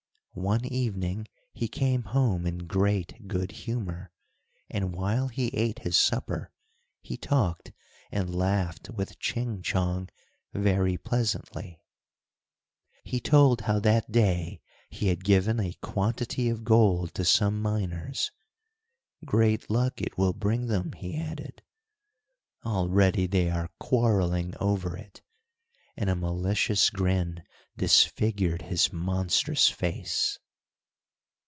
One evening he came home in great good humor, and, while he ate his supper, he talked and laughed with Ching Chong very pleasantly. He told how that day he had given a quantity of gold to some miners. "Great luck it will bring them," he added. "Already they are quarreling over it," and a malicious grin disfigured his monstrous face.